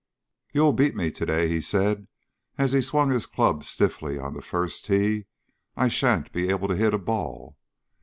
"You'll beat me to day," he said, as he swung his club stiffly on the first tee; "I shan't be able to hit a ball."